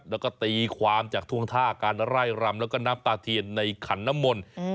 แล้วก็ตีความจากท่วงท่าการไล่รำแล้วก็น้ำตาเทียนในขันน้ำมนต์